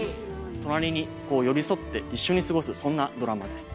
隣にこう寄り添って一緒に過ごすそんなドラマです。